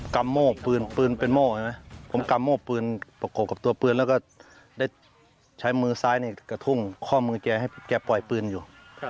กำโหม่ปืนป็อกกกับตัวปืนแล้วก็ได้ใช้มือซ้ายเนี่ยกระทุ่มข้อมือแกให้แกปล่อยปืนอยู่